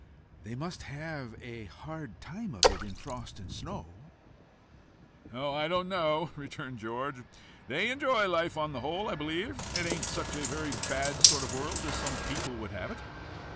"They must have a hard time of it in frost and snow." "Oh! I don't know," returned George. "They enjoy life on the whole, I believe. It ain't such a very bad sort of a world as some people would have it.